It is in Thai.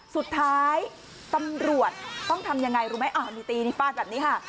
สุดท้ายตำรวจต้องทำยังไงรู้ไหมอ้าวนี่ตีนี่ฟาดแบบนี้ค่ะ